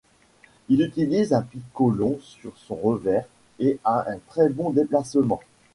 Il utilise un picot long sur son revers et a un très bon déplacement.